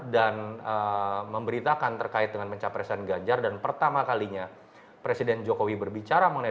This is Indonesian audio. dan memberitakan terkait dengan pencapaian ganjar dan pertama kalinya presiden jokowi berbicara mengenai dua ribu dua puluh empat